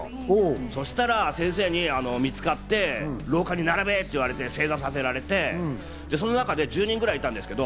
そしたら先生に見つかって、廊下に並べって言われて、正座させられてその中で１０人ぐらいいたんですけど